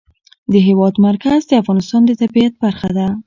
د هېواد مرکز د افغانستان د طبیعت برخه ده.